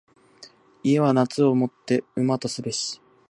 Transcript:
家は夏をもって旨とすべし。